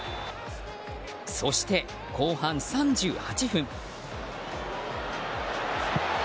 そして、後半３９分。